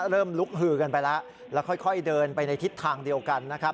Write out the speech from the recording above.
ลุกหือกันไปแล้วแล้วค่อยเดินไปในทิศทางเดียวกันนะครับ